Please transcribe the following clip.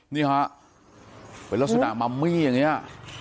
นี่ฮะเป็นราศนามัมมี่อย่างนี้